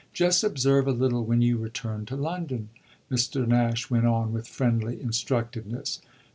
Just observe a little when you return to London," Mr. Nash went on with friendly instructiveness.